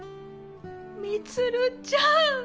充ちゃん！